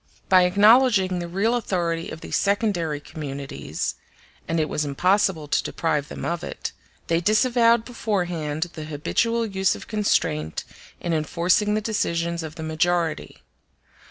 By acknowledging the real authority of these secondary communities (and it was impossible to deprive them of it), they disavowed beforehand the habitual use of constraint in enforcing g the decisions of the majority.